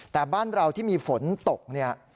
แต่บ้านเราที่มีฝนตกเนี่ย